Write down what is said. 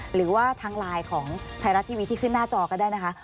หรือว่าทางไลน์ของไทยรัฐทีวีที่ขึ้นหน้าจอก็ได้นะคะ